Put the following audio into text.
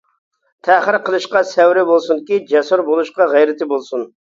تەخىر قىلىشقا سەۋرى بولسۇنكى، جەسۇر بولۇشقا غەيرىتى بولسۇن.